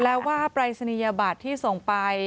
แล้วว่าปรายศนียบัตรที่ส่งไป